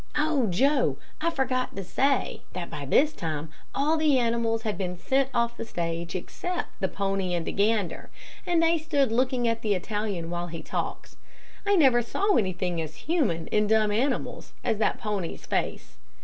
"Oh, Joe, I forgot to say, that by this time all the animals had been sent off the stage except the pony and the gander, and they stood looking at the Italian while he talked. I never saw anything as human in dumb animals as that pony's face.